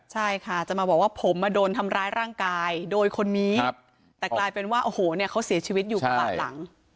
ใช่ค่ะจะมาบอกว่าผมมาโดนทำร้ายร่างกายโดยคนนี้แต่กลายเป็นว่าโอ้โหเนี่ยเขาเสียชีวิตอยู่กระบะหลัง